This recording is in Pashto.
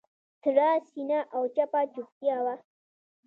سړه سینه او چپه چوپتیا وه.